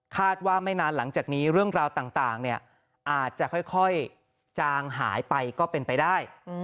ว่าไม่นานหลังจากนี้เรื่องราวต่างอาจจะค่อยจางหายไปก็เป็นไปได้